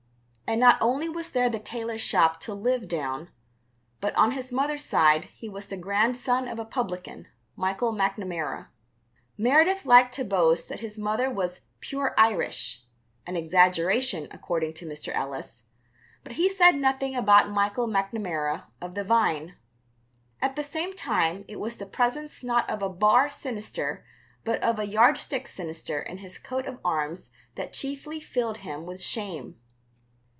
And not only was there the tailor's shop to live down, but on his mother's side he was the grandson of a publican, Michael Macnamara. Meredith liked to boast that his mother was "pure Irish" an exaggeration, according to Mr. Ellis but he said nothing about Michael Macnamara of "The Vine." At the same time it was the presence not of a bar sinister but of a yardstick sinister in his coat of arms that chiefly filled him with shame.